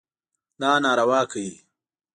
دا ناروا کوي.